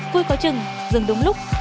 vui có chừng dừng đúng lúc